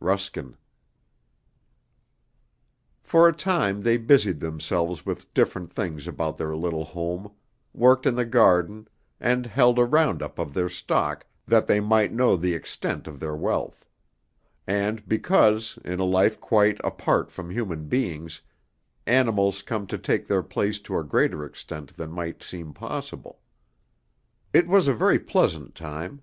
RUSKIN. For a time they busied themselves with different things about their little home, worked in the garden, and held a round up of their stock that they might know the extent of their wealth; and because, in a life quite apart from human beings, animals come to take their place to a greater extent than might seem possible. It was a very pleasant time.